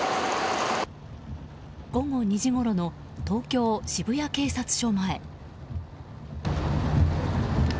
午後２時ごろの東京・渋谷警察署前。